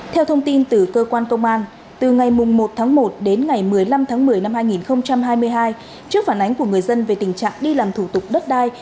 theo thông tin từ cơ quan công an từ ngày một tháng một đến ngày một mươi năm tháng một mươi năm hai nghìn hai mươi hai trước phản ánh của người dân về tình trạng đi làm thủ tục đất đai